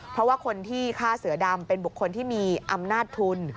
เพราะว่าคนที่ฆ่าเสือดำเป็นบุคคลที่มีอำนาจทุน